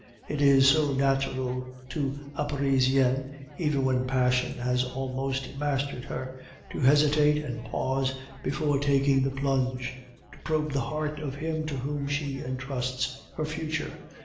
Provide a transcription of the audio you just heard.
It is so natural to a Parisienne, even when passion has almost mastered her, to hesitate and pause before taking the plunge; to probe the heart of him to whom she intrusts her future.